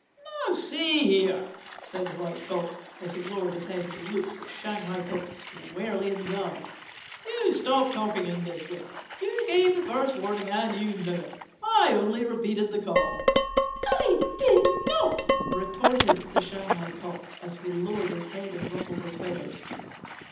"Now see here," said the White Cock, as he lowered his head and looked the Shanghai Cock squarely in the eyes, "you stop talking in this way! You gave the first warning and you know it. I only repeated the call." "I did not," retorted the Shanghai Cock, as he lowered his head and ruffled his feathers.